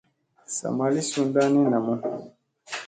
Sa ma li sunda ni namu.